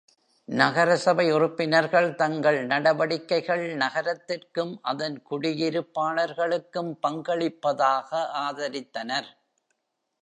நகர சபை உறுப்பினர்கள் தங்கள் நடவடிக்கைகள் நகரத்திற்கும் அதன் குடியிருப்பாளர்களுக்கும் பங்களிப்பதாக ஆதரித்தனர்.